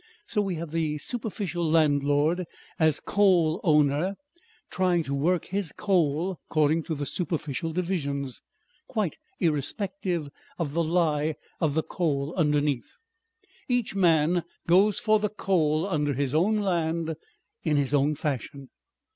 So we have the superficial landlord as coal owner trying to work his coal according to the superficial divisions, quite irrespective of the lie of the coal underneath. Each man goes for the coal under his own land in his own fashion.